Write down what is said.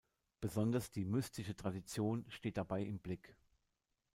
Besonders die mystische Tradition steht dabei im Blick.